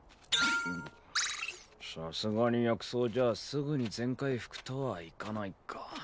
さすがに薬草じゃすぐに全回復とはいかないか。